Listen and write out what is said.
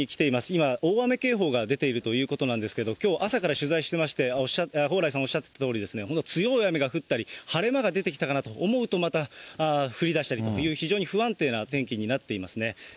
今、大雨警報が出ているということなんですけど、きょう朝から取材してまして、蓬莱さんおっしゃったとおり、強い雨が降ったり、晴れ間が出てきたかなと思うと、また降りだしたりという、非常に不安定な天気になっていますね。